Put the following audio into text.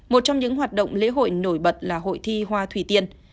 một trong những hoạt động lễ hội nổi bật là hội thi hoa thủy tiên